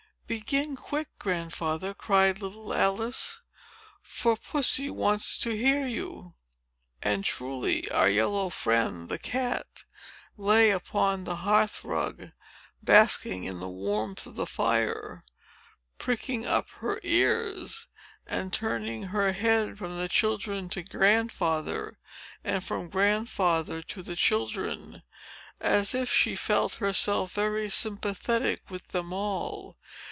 "Begin quick, Grandfather," cried little Alice; "for Pussy wants to hear you." And, truly, our yellow friend, the cat, lay upon the hearth rug, basking in the warmth of the fire, pricking up her ears, and turning her head from the children to Grandfather, and from Grandfather to the children, as if she felt herself very sympathetic with them all.